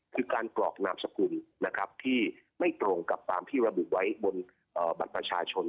คือการกรอกนามสกุลนะครับที่ไม่ตรงกับตามที่ระบุไว้บนบัตรประชาชน